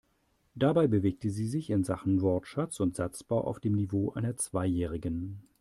Dabei bewegte sie sich in Sachen Wortschatz und Satzbau auf dem Niveau einer Zweijährigen.